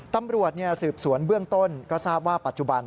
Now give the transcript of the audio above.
ตำรวจสืบสวนเบื้องต้นก็ทราบว่าปัจจุบัน